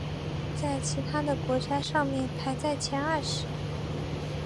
在其他的国家上面排在前二十。